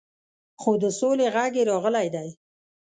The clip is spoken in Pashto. خو د سولې غږ یې راغلی دی.